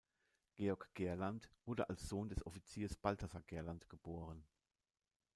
Georg Gerland wurde als Sohn des Offiziers Balthasar Gerland geboren.